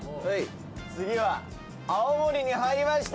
次は青森に入りました。